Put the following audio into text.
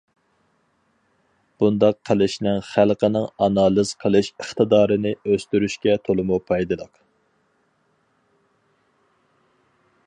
بۇنداق قىلىشنىڭ خەلقىنىڭ ئانالىز قىلىش ئىقتىدارىنى ئۆستۈرۈشكە تولىمۇ پايدىلىق.